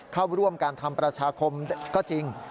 เข้าร่วมการทำประชาคมก็จริง